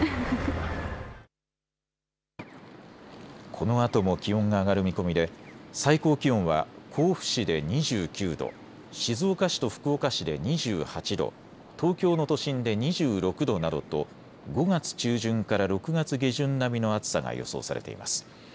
このあとも気温が上がる見込みで最高気温は甲府市で２９度、静岡市と福岡市で２８度、東京の都心で２６度などと５月中旬から６月下旬並みの暑さが予想されています。